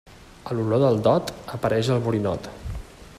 A l'olor del dot, apareix el borinot.